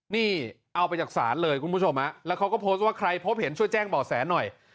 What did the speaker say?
นี่เอาไปจากศาลเลยคุณผู้ชมแล้วเขาก็โพสต์ว่าใครพบเห็นช่วยแจ้งบ่อแสหน่อย